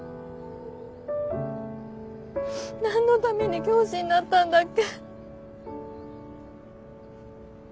何のために教師になったんだっけ。